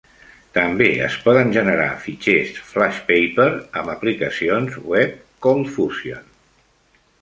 També es poden generar fitxers FlashPaper amb aplicacions web ColdFusion.